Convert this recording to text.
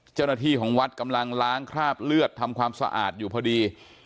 เจ้าหน้าที่ของวัดกำลังล้างคราบเลือดทำความสะอาดอยู่พอดี